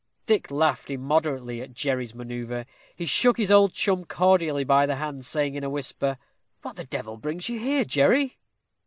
Dick laughed immoderately at Jerry's manœuvre. He shook his old chum cordially by the hand, saying, in a whisper, "What the devil brings you here, Jerry?"